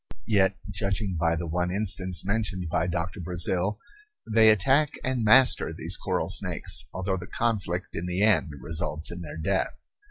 Yet, judging by the one instance mentioned by Doctor Brazil, they attack and master these coral snakes, although the conflict in the end results in their death.